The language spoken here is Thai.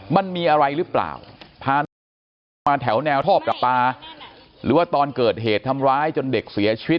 มันมีอะไรหรือเปล่าพาน้องชมพู่มาแถวแนวท่อประปาหรือว่าตอนเกิดเหตุทำร้ายจนเด็กเสียชีวิต